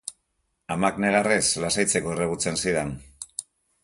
Amak, negarrez, lasaitzeko erregutzen zidan.